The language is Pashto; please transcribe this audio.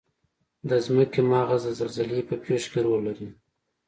د ځمکې مغز د زلزلې په پیښو کې رول لري.